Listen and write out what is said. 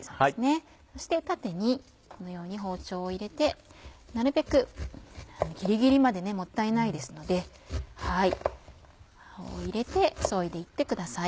そして縦にこのように包丁を入れてなるべくギリギリまでもったいないですので刃を入れてそいで行ってください。